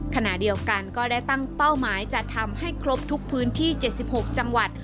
ขณะเดียวกันก็ได้ตั้งเป้าหมายจะทำให้ครบทุกพื้นที่๗๖จังหวัด